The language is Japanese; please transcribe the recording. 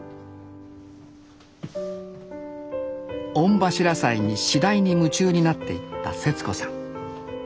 御柱祭に次第に夢中になっていったせつ子さん。